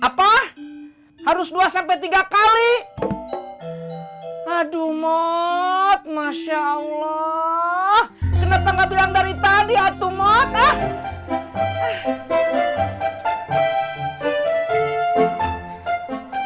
apa harus dua sampai tiga kali aduh mod masya allah kenapa nggak bilang dari tadi atuh mod